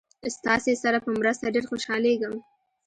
ستاسې سره په مرسته ډېر خوشحالیږم.